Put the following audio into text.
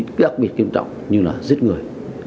rất đặc biệt kiên trọng như là giết người